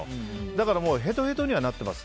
だからへとへとにはなってます。